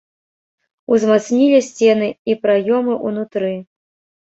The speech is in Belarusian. Узмацнілі сцены і праёмы унутры.